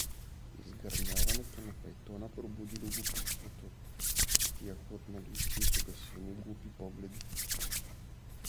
Изгърмяването на файтона пробуди любопитство в тие хлътнали очи с угасени, глупи погледи.